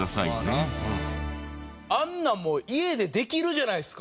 あんなんもう家でできるじゃないですか！